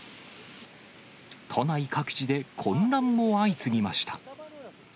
都内各地で混乱も相次ぎました。